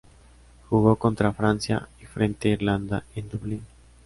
Jugó contra Francia y frente a Irlanda, en Dublín.